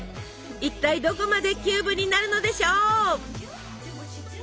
一体どこまでキューブになるのでしょう？